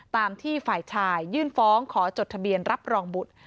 ตามที่ฝ่ายชายยื่นฟ้องขอจดทะเบียนรับรองบุตร